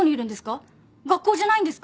学校じゃないんですか？